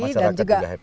masyarakat juga happy